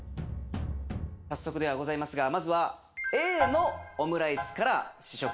早速ではございますがまずはＡのオムライスから試食お願いします。